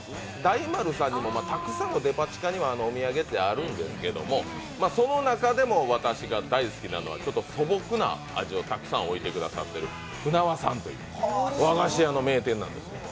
たくさんデパ地下にはお土産があるんですけど、その中でも私が大好きなのは素朴な味をたくさん置いてくださっている舟和さんという和菓子屋の名店なんです。